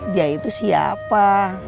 dia itu siapa